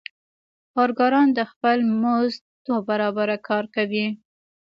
کارګران د خپل مزد دوه برابره کار کوي